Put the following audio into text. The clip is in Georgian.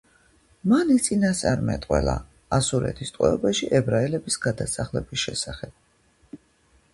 მან იწინასწარმეტყველა ასურეთის ტყვეობაში ებრაელების გადასახლების შესახებაც.